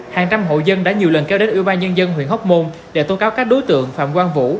hàng trăm hộ dân đã nhiều lần kéo đến ưu ba nhân dân huyện hóc môn để tố cáo các đối tượng phạm quang vũ